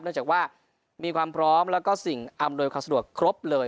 จากว่ามีความพร้อมแล้วก็สิ่งอำนวยความสะดวกครบเลย